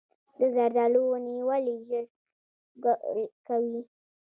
د زردالو ونې ولې ژر ګل کوي؟